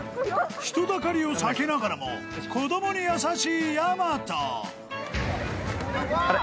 ［人だかりを避けながらも子供に優しいやまと］あれ？